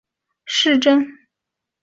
雷豪是德国巴伐利亚州的一个市镇。